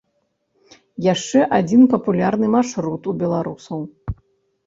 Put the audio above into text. Яшчэ адзін папулярны маршрут у беларусаў.